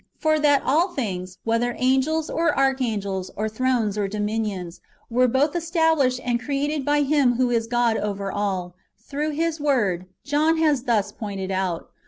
For that all things, whether Angels, or Archangels, or Thrones, or Dominions, were both established and created by Him who is God over all, through His Word, John has thus pointed out.